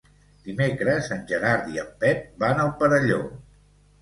Dimecres en Gerard i en Pep van al Perelló.